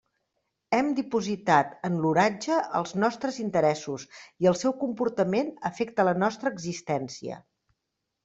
Hem dipositat en l'oratge els nostres interessos i el seu comportament afecta la nostra existència.